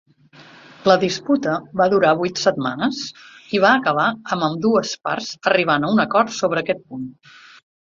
La disputa va durar vuit setmanes i va acabar amb ambdues parts arribant a un acord sobre aquest punt.